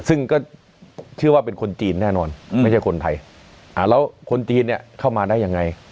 ซึ่งก็เชื่อว่าเป็นคนจีนแน่นอนไม่ใช่คนไทยแล้วคนจีนเนี่ยเข้ามาได้ยังไง